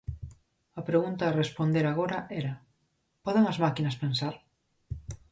A pregunta a responder agora era "Poden as máquinas pensar"?